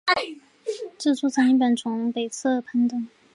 这座山一般从北侧攀登。